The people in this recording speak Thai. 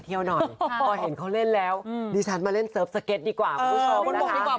หน่อยพอเห็นเขาเล่นแล้วดิฉันมาเล่นเซิร์ฟสเก็ตดีกว่าคุณผู้ชมนะคะ